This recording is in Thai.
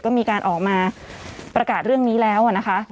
ก็มีการออกมาประกาศเรื่องนี้แล้วนะคะ